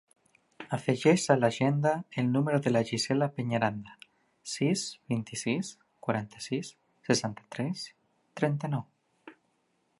Afegeix a l'agenda el número de la Gisela Peñaranda: sis, vint-i-sis, quaranta-sis, seixanta-tres, trenta-nou.